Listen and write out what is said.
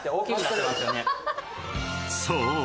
［そう。